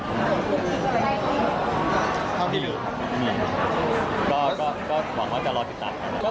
ก็หวังว่าจะรอติดตัดแล้วนะ